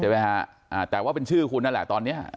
ฮะอ่าแต่ว่าเป็นชื่อคุณนั่นแหละตอนเนี้ย